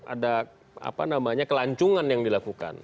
ada apa namanya kelancungan yang dilakukan